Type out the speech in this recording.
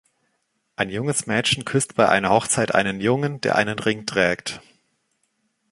Ein junges Mädchen küsst bei einer Hochzeit einen Jungen, der einen Ring trägt.